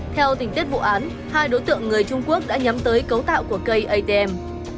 theo tình tiết vụ án hai đối tượng người trung quốc đã nhắm tới cấu tạo của cây atm